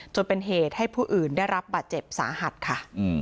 จนเป็นเหตุให้ผู้อื่นได้รับบาดเจ็บสาหัสค่ะ